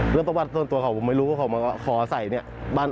เรื่องประวัติส่วนตัวของผมไม่รู้แต่เขามาขอไส่เนี่ย